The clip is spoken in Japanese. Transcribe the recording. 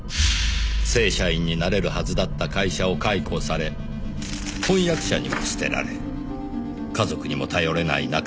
正社員になれるはずだった会社を解雇され婚約者にも捨てられ家族にも頼れない中。